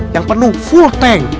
yang penuh full tank